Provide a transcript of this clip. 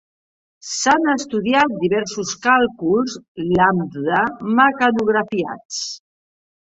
S'han estudiat diversos càlculs lambda mecanografiats.